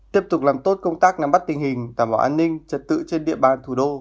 tiếp tục làm tốt công tác nắm bắt tình hình đảm bảo an ninh trật tự trên địa bàn thủ đô